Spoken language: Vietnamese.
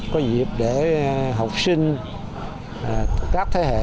có dịp để học sinh các thế hệ